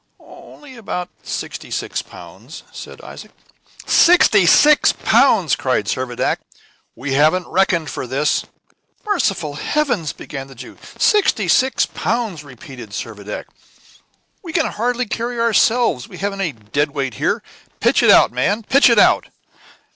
"Only about sixty six pounds!" said Isaac. "Sixty six pounds!" cried Servadac. "We haven't reckoned for this." "Merciful heavens!" began the Jew. "Sixty six pounds!" repeated Servadac. "We can hardly carry ourselves; we can't have any dead weight here. Pitch it out, man, pitch it out!"